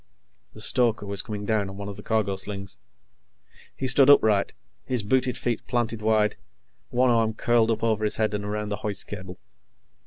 The stoker was coming down on one of the cargo slings. He stood upright, his booted feet planted wide, one arm curled up over his head and around the hoist cable.